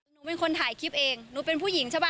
หนูเป็นคนถ่ายคลิปเองหนูเป็นผู้หญิงใช่ป่